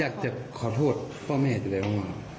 อยากจะขอโทษพ่อแม่จะได้บ้างเหรอครับ